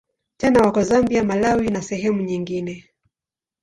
Tena wako Zambia, Malawi na sehemu nyingine.